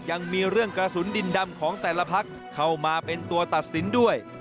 ยังมีเรื่องกระสุนดินดำของแต่ละพักเข้ามาเป็นตัวตัดสินด้วย